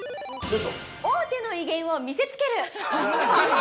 ◆大手の威厳を見せつける。